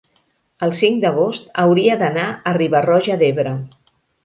el cinc d'agost hauria d'anar a Riba-roja d'Ebre.